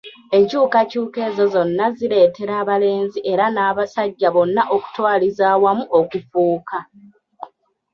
Enkyukakyuka ezo zonna zireetera abalenzi era n'abasajja bonna okutwaliza awamu okufuuka.